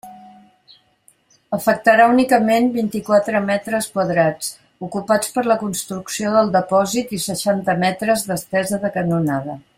Afectarà únicament vint-i-quatre metres quadrats, ocupats per la construcció del depòsit i seixanta metres d'estesa de canonada.